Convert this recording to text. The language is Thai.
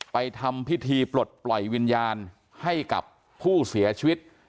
ทำพิธีปลดปล่อยวิญญาณให้กับผู้เสียชีวิต